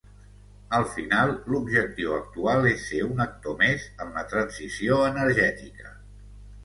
Al final, l’objectiu actual és ser un actor més en la transició energètica.